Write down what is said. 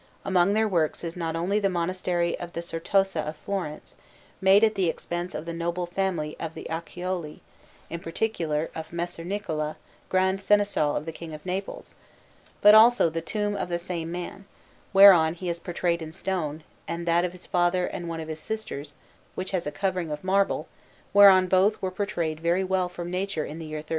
Among their works is not only the Monastery of the Certosa of Florence, made at the expense of the noble family of the Acciaiuoli, and in particular of Messer Niccola, Grand Seneschal of the King of Naples, but also the tomb of the same man, whereon he is portrayed in stone, and that of his father and one of his sisters, which has a covering of marble, whereon both were portrayed very well from nature in the year 1366.